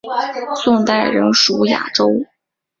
宋代仍属雅州。